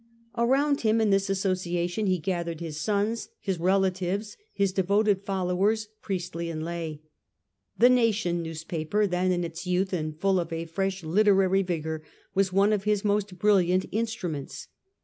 Around him in this Association he gathered his sons, his relatives, his devoted followers, priestly and lay. The Nation newspaper, then in its youth and full of a fresh literary vigour, was one of his most brilliant instruments.